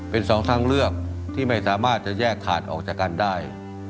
เป็นสองทางเลือกที่ไม่สามารถจะแยกขาดออกจากกันได้